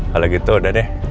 kalo gitu udah deh